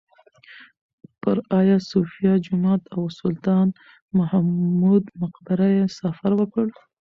پر ایا صوفیه جومات او سلطان محمود مقبره یې سفر وکړ.